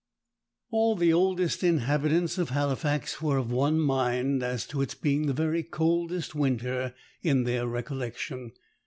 * All the oldest inhabitants of Halifax were of one mind as to its being the very coldest winter in their recollection.